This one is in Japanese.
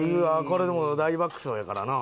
これでもう大爆笑やからな。